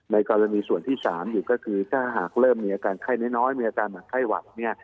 ในกรณีส่วนที่๓อีกก็คือถ้าหากเริ่มมีอาการไข้น้อยมีอาการเหมือนไข้หวัดเนี่ย